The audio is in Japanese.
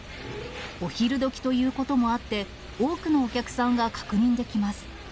お昼どきということもあって、多くのお客さんが確認できます。